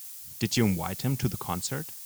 Did you invite him to the concert?